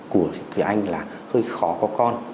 của anh là hơi khó có con